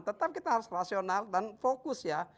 tetap kita harus rasional dan fokus ya